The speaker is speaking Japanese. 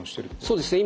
そうですね